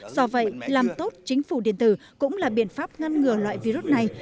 do vậy làm tốt chính phủ điện tử cũng là biện pháp ngăn ngừa loại virus này